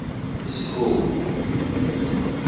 Zhu!